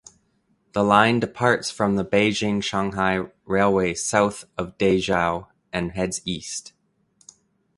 The line departs from the Beijing–Shanghai railway south of Dezhou and heads east.